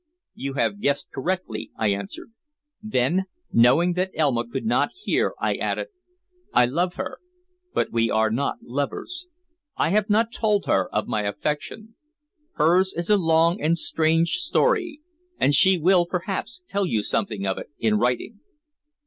"You have guessed correctly," I answered. Then, knowing that Elma could not hear, I added: "I love her, but we are not lovers. I have not told her of my affection. Hers is a long and strange story, and she will perhaps tell you something of it in writing."